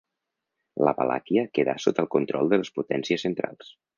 La Valàquia quedà sota el control de les Potències Centrals.